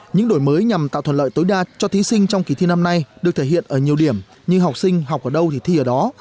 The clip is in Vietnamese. những đổi mới nhằm tạo thuận lợi tối đa cho thí sinh trong kỳ thi năm nay được thể hiện ở nhiều điểm như học sinh học ở đâu thì thi ở đó